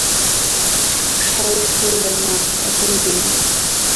পরেশ কহিলেন, না, এখনো দিই নি।